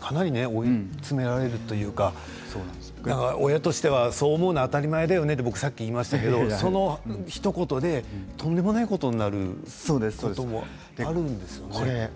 かなり追いつめられるというか親としてはそう思うのは当たり前だよね言ってしまいましたけどそのひと言でとんでもないことになってしまうんですね。